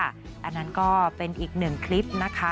อันนั้นก็เป็นอีกหนึ่งคลิปนะคะ